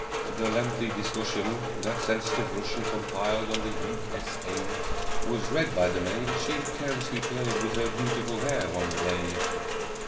The lengthy discussion That sensitive Russian Compiled on the U. S. A. Was read by the maid, As she carelessly played With her beautiful hair one day.